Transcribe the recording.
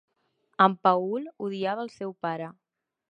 En Paul odiava el seu pare.